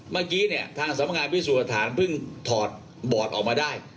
เมื่อกี้เนี่ยทางสัมพงาพิสุทธาพึ่งถอดบอร์ดออกมาได้